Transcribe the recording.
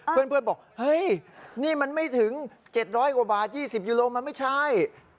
เพื่อนบอกเฮ้ยนี่มันไม่ถึง๗๐๐กว่าบาท๒๐กิโลมันไม่ใช่